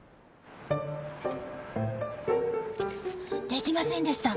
出来ませんでした！